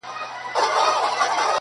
او يوازي له شرمه تېښته غواړي